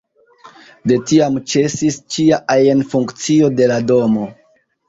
De tiam ĉesis ĉia ajn funkcio de la domo.